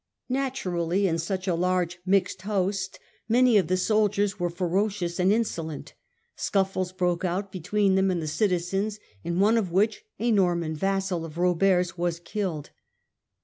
Natu rally in such a large, mixed host, many of the soldiers were ferocious and insolent ; scuffles broke out between them and the citizens, in one of which a Norman vassal of Robert's was killed.